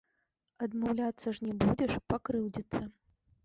Адмаўляцца ж не будзеш, пакрыўдзіцца.